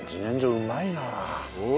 うまいわ。